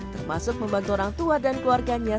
termasuk membantu orang tua dan keluarganya